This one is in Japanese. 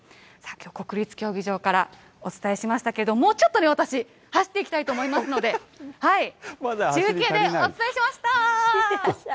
きょう、国立競技場からお伝えしましたけれども、もうちょっとね、私、走っていきたいと思いますので、中継でお伝えしました。